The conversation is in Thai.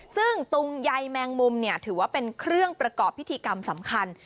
ซึ่งตุงใยแมงมุมถือว่าเป็นเครื่องประกอบพิธีกรรมสำคัญ